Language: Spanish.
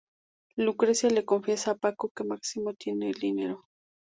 Lucrecia le confiesa a Paco que Máximo tiene el dinero.